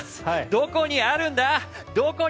どこにあるんだ？